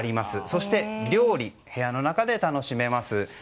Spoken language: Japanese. そして、料理部屋の中で楽しめます。